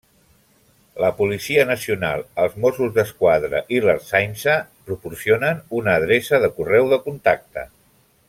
La Policia Nacional, els Mossos d'Esquadra i l'Ertzaintza, proporcionen una adreça de correu de contacte.